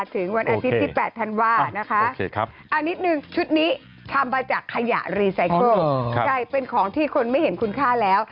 ถึงวันอาทิตย์ที่๘ธันวานะคะเอานิดนึงชุดนี้ทำมาจากขยะรีไซเคิลกลายเป็นของที่คนไม่เห็นคุณค่าแล้ว